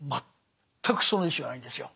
全くその意思がないんですよ。